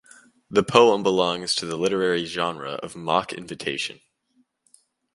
The poem belongs to the literary genre of mock-invitation.